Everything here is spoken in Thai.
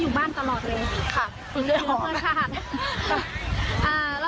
อืมมีเพื่อนที่นี่ด้วยอืมแต่ก่อนนั้นนี้ก็อยู่บ้านตลอดเลย